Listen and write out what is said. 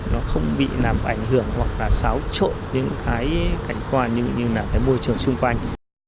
nó không bị làm ảnh hưởng hoặc là xáo trộn những cái cảnh quan như là cái môi trường xung quanh